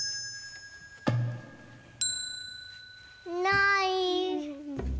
ない。